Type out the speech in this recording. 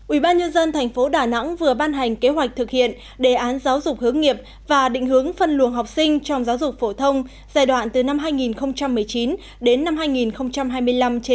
ubnd tp đà nẵng vừa ban hành kế hoạch thực hiện đề án giáo dục hướng nghiệp và định hướng phân luồng học sinh trong giáo dục phổ thông giai đoạn từ năm hai nghìn một mươi chín đến năm hai nghìn hai mươi năm